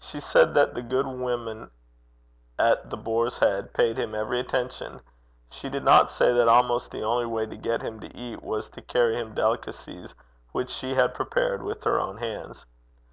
She said that the good women at The Boar's Head paid him every attention: she did not say that almost the only way to get him to eat was to carry him delicacies which she had prepared with her own hands.